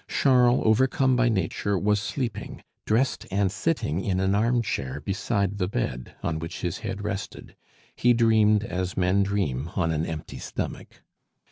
Charles, overcome by nature, was sleeping, dressed and sitting in an armchair beside the bed, on which his head rested; he dreamed as men dream on an empty stomach.